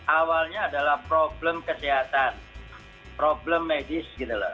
awalnya adalah problem kesehatan problem medis